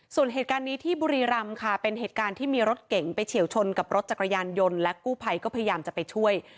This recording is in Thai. ส่วนเหตุการณ์นี้ที่บุรีรำค่ะเป็นเหตุการณ์ที่มีรถเก่งไปเฉียวชนกับรถจักรยานยนต์และกู้ภัยก็พยายามจะไปช่วย